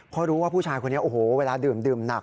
เพราะรู้ว่าผู้ชายคนนี้โอ้โหเวลาดื่มหนัก